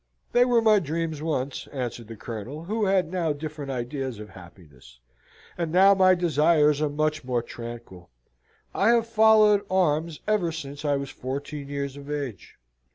"They were my dreams once," answered the Colonel, who had now different ideas of happiness, "and now my desires are much more tranquil. I have followed arms ever since I was fourteen years of age.